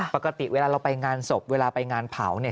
ปกติเวลาเราไปงานศพเวลาไปงานเผาเนี่ย